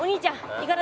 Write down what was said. いかだ